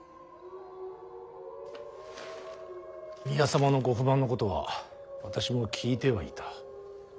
宮様のご不満のことは私も聞いてはいた。